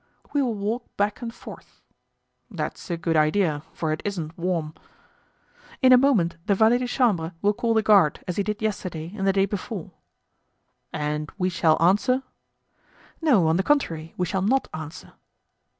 "We will walk back and forth." "That's a good idea, for it isn't warm." "In a moment the valet de chambre will call the guard, as he did yesterday and the day before." "And we shall answer?" "No, on the contrary, we shall not answer."